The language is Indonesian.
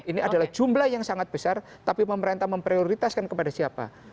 ini adalah jumlah yang sangat besar tapi pemerintah memprioritaskan kepada siapa